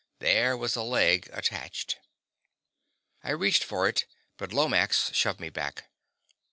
There was a leg attached. I reached for it, but Lomax shoved me back.